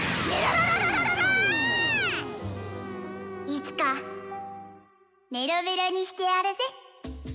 いつかメロメロにしてやるぜ。